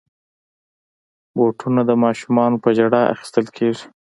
بوټونه د ماشومانو په ژړا اخیستل کېږي.